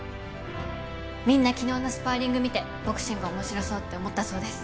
みんな昨日のスパーリング見てボクシング面白そうって思ったそうです。